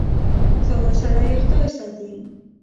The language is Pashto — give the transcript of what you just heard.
ساده سړی خدای ساتي .